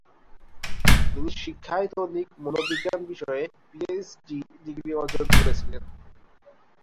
তিনি শিক্ষায়তনিক মনোবিজ্ঞান বিষয়ে পিএইচডি ডিগ্রি অর্জন করেছিলেন।